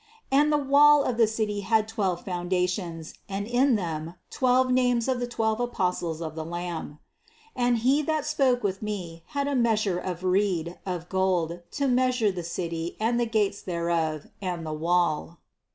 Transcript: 14. And the wall of the city had twelve founda tions, and in them, the twelve names of the twelve apostles of the Lamb. 15. And he that spoke with me had a measure of reed, of gold, to measure the city and the gates there of, and the wall; 16 217 218 CITY OF GOD 16.